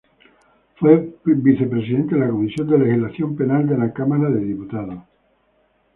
Fue vicepresidente de la Comisión de Legislación Penal de la Cámara de Diputados.